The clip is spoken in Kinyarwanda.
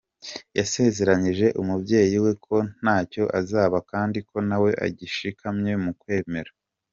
Yasezeranyije umubyeyi we ko ntacyo azaba kandi ko nawe agishikamye mu kwemera.